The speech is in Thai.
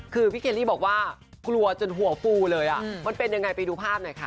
คือพี่เคลลี่บอกว่ากลัวจนหัวฟูเลยมันเป็นยังไงไปดูภาพหน่อยค่ะ